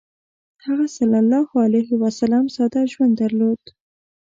هغه ﷺ ساده ژوند درلود.